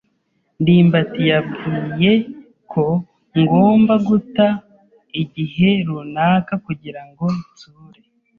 ndimbati yambwiye ko ngomba guta igihe runaka kugira ngo nsure.